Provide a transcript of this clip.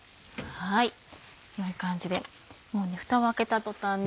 良い感じでもうねふたを開けた途端に。